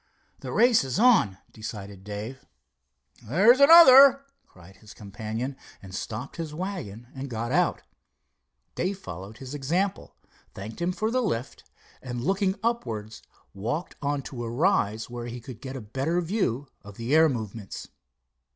"The race is on," decided Dave. "There's another!" cried his companion, and stopped his wagon and got out. Dave followed his example, thanked him for the lift, and, looking upwards, walked on to a rise where he could get a better view of the air movements.